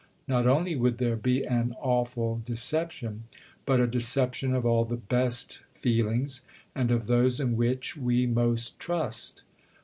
Not only would there be an awful deception, but a deception of all the best feelings and of those in which we most trust.